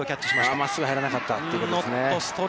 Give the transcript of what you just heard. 真っすぐ入らなかったということですね。